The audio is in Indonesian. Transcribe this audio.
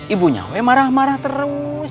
ibu nya marah marah terus